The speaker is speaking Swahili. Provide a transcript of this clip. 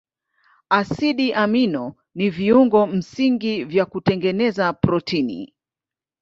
Asidi amino ni viungo msingi vya kutengeneza protini.